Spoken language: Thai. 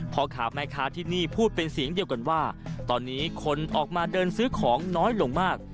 พ่อค้าแม่ค้าที่นี่พูดเป็นเสียงเดียวกันว่าตอนนี้คนออกมาเดินซื้อของน้อยลงมาก